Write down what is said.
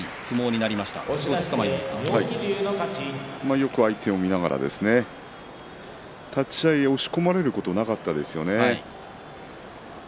よく相手を見ながら立ち合い押し込まれることがなかったですね。